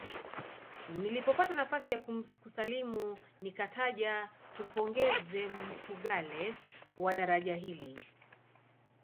Nilipopata nafasi ya kusalimu nikataja tumpongeze Mfugale kwa daraja hili